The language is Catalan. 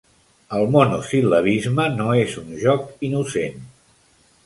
El monosil·labisme no és un joc innocent.